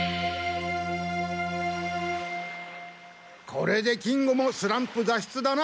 これで金吾もスランプだっ出だな。